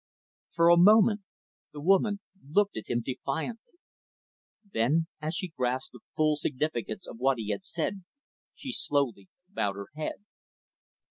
For a moment the woman looked at him, defiantly. Then, as she grasped the full significance of what he had said, she slowly bowed her head.